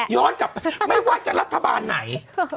กลับไปไม่ว่าจะรัฐบาลไหน